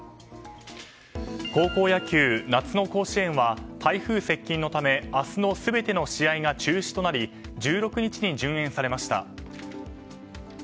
高校野球夏の甲子園は台風接近のため明日の全ての試合が中止となり１６日に順延されました。